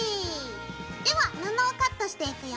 では布をカットしていくよ。